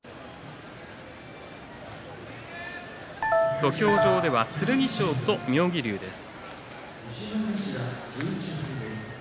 土俵上は剣翔と妙義龍です。